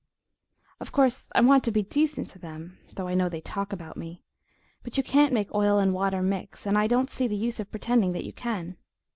Of course, I want to be decent to them, though I know they talk about me, but you can't make oil and water mix, and I don't see the use of pretending that you can.